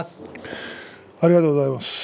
ありがとうございます。